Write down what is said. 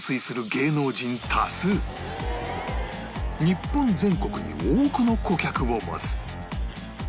日本全国に多くの顧客を持つ